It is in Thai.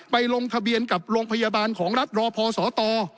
ลงทะเบียนกับโรงพยาบาลของรัฐรอพอสต